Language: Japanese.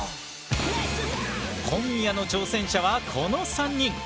今夜の挑戦者はこの３人！